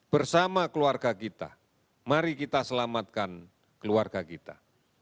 bersama keluarga kita mari kita selamatkan keluarga kita